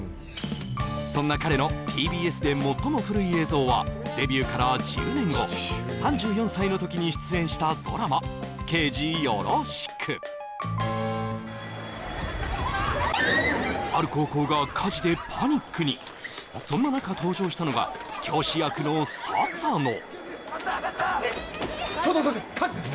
そんな彼のＴＢＳで最も古い映像はデビューから１０年後３４歳の時に出演したドラマ「刑事ヨロシク」ある高校が火事でパニックにそんな中登場したのが教師役の笹野・火事だ！